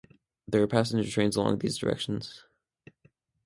There are passenger trains along these directions.